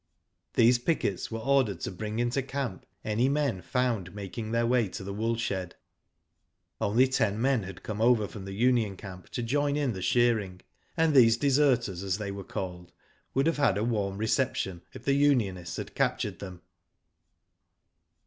These pickets were ordered to bring into camp any men found making their way to the wool shed. Only ten men had come over from the union camp to join in the shearing, and these deserters as they were called, would have had a warm re. ception, if the unionists had captured them.